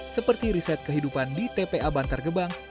seperti riset kehidupan di tpa bantar gebang